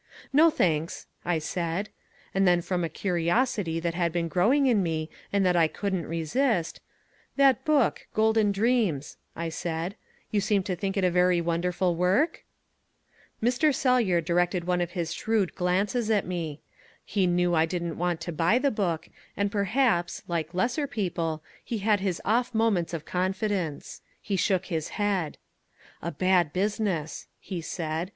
"No, thanks," I said. And then from a curiosity that had been growing in me and that I couldn't resist, "That book Golden Dreams," I said, "you seem to think it a very wonderful work?" Mr. Sellyer directed one of his shrewd glances at me. He knew I didn't want to buy the book, and perhaps, like lesser people, he had his off moments of confidence. He shook his head. "A bad business," he said.